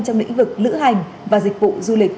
trong lĩnh vực lữ hành và dịch vụ du lịch